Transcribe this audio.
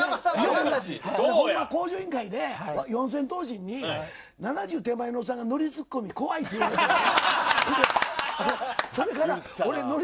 向上委員会で四千頭身に７０手前のおっさんがノリツッコミ怖いって。恥ずかしいんだ。